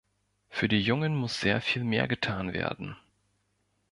Für die Jungen muss sehr viel mehr getan werden.